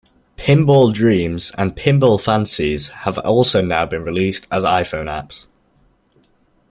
"Pinball Dreams" and "Pinball Fantasies" have also now been released as iPhone apps.